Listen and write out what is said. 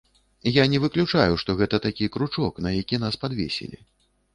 Я не выключаю, што гэта такі кручок, на які нас падвесілі.